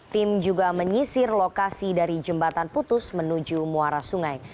tim juga menyisir lokasi dari jembatan putus menuju muara sungai